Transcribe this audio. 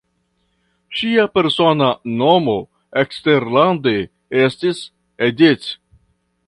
Ŝia persona nomo eksterlande estis "Edith".